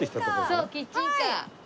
そうキッチンカー。